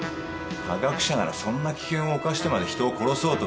化学者ならそんな危険を冒してまで人を殺そうとはしない。